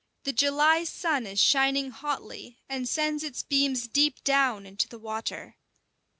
The July sun is shining hotly, and sends its beams deep down into the water.